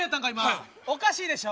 おかしいでしょ。